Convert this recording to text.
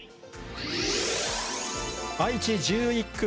愛知１１区。